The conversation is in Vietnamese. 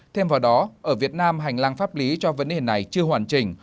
thêm vào đó ở việt nam hành lang pháp lý cho vấn đề này chưa hoàn chỉnh